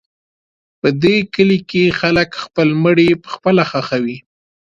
په دې کلي کې خلک خپل مړي پخپله ښخوي.